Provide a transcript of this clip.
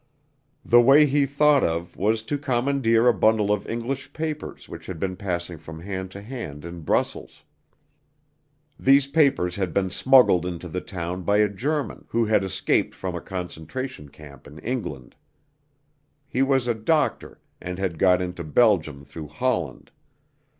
The way he thought of was to commandeer a bundle of English papers which had been passing from hand to hand in Brussels. These papers had been smuggled into the town by a German who had escaped from a concentration camp in England. He was a doctor, and had got into Belgium through Holland.